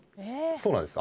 そうなんです